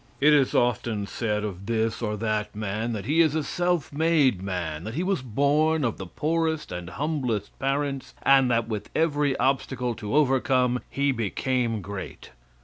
It is often said of this or that man that he is a self made man that he was born of the poorest and humblest parents, and that with every obstacle to overcome he became great.